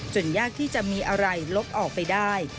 ยากที่จะมีอะไรลบออกไปได้